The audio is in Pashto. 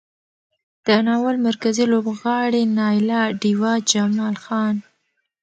د ناول مرکزي لوبغاړي نايله، ډېوه، جمال خان،